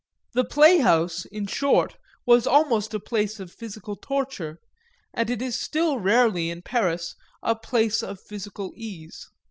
The playhouse, in short, was almost a place of physical torture, and it is still rarely in Paris a place of physical ease.